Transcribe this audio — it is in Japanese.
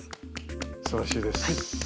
すばらしいです。